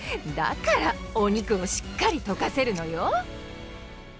だからおにくをしっかりとかせるのよ。